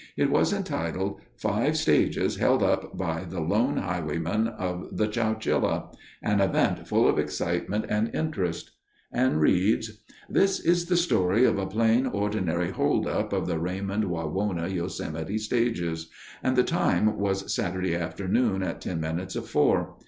It was entitled "Five Stages Held Up by the Lone Highwayman of the Chowchilla, An Event Full of Excitement and Interest," and reads: This is the story of a plain, ordinary "hold up" of the Raymond Wawona Yosemite stages; and the time was Saturday afternoon at ten minutes of four.